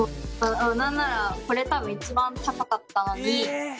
何ならこれ多分一番高かったのに。